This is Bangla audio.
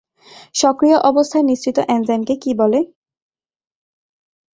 সক্রিয় অবস্থায় নিঃসৃত এনজাইমকে কী বলে?